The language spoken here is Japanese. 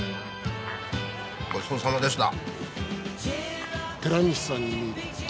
ごちそうさまでした。